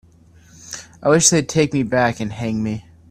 I wish they'd take me back and hang me.